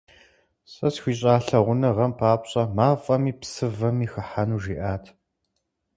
Сэ схуищӏа лъагъуныгъэм папщӏэ мафӏэми псывэми хыхьэну жиӏат…